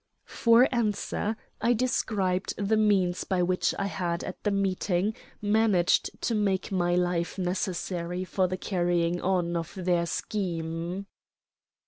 For answer I described the means by which I had at the meeting managed to make my life necessary for the carrying on of their scheme.